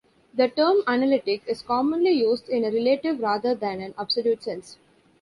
The term "analytic" is commonly used in a relative rather than an absolute sense.